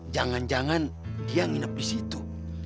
jangan jangan dia nginep disitu